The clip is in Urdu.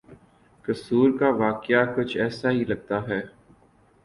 قصور کا واقعہ کچھ ایسا ہی لگتا ہے۔